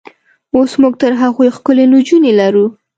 اوس موږ تر هغوی ښکلې نجونې لرو.